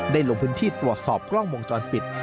ลงพื้นที่ตรวจสอบกล้องวงจรปิด